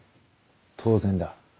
当然だ。